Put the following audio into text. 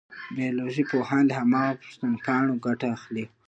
بیولوژي پوهان له هماغه پوښتنپاڼو ګټه اخلي.